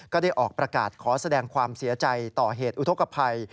ก็ได้ออกประกาศขอแสดงความเสียใจต่อเหตุอุทธกภัย